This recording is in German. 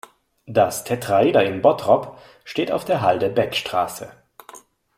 Das Tetraeder in Bottrop steht auf der Halde Beckstraße.